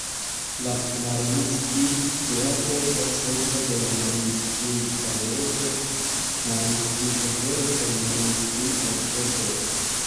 La Mariinskij-Teatro estas hejmo de la Mariinskij-Baleto, Mariinskij-Opero kaj Mariinskij-Orkestro.